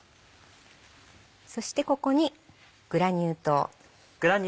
そしてここにグラニュー糖。